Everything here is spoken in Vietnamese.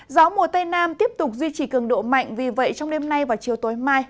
gió mùa tây nam tiếp tục duy trì cường độ mạnh vì vậy trong đêm nay và chiều tối mai